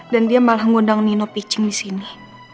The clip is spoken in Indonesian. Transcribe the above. dan dia malah ngundang nino picing disini